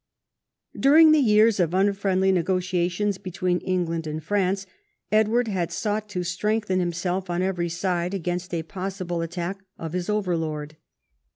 During the years of unfriendly negotiations between England and France, Edward had sought to strengthen himself on every side against a possible attack of his overlord.